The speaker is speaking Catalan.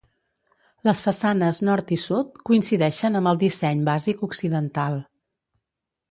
Les façanes nord i sud coincideixen amb el disseny bàsic occidental.